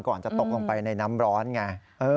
ก่อนจะตกลงไปในน้ำร้อนไง